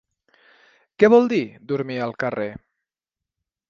Què vol dir dormir al carrer?